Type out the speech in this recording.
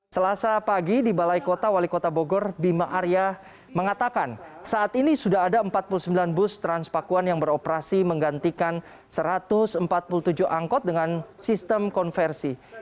selasa pagi di balai kota wali kota bogor bima arya mengatakan saat ini sudah ada empat puluh sembilan bus transpakuan yang beroperasi menggantikan satu ratus empat puluh tujuh angkot dengan sistem konversi